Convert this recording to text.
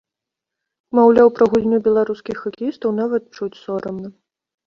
Маўляў, пра гульню беларускіх хакеістаў нават чуць сорамна.